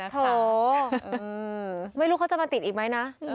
โถไม่รู้เขาจะมาติดอีกไหมนะ